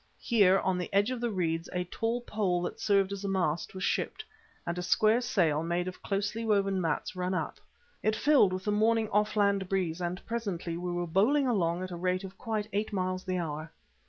Here, on the edge of the reeds a tall pole that served as a mast was shipped, and a square sail, made of closely woven mats, run up. It filled with the morning off land breeze and presently we were bowling along at a rate of quite eight miles the hour.